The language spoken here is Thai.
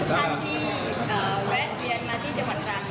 ท่านที่แวะเวียนมาที่จังหวัดตรัง